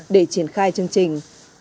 để triển khai chương trình